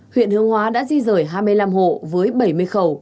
huyện hướng hóa đã di rời hai mươi năm hộ với bảy mươi khẩu